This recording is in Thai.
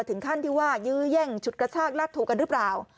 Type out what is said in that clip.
ถึงขั้นที่ว่ายื้อแย่งฉุดกระชากลากถูกันหรือเปล่า